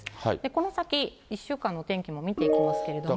この先、１週間の天気も見ていきますけれども。